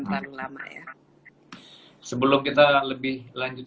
terlalu lama ya sebelum kita lebih lanjut